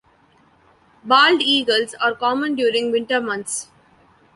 Bald eagles are common during winter months.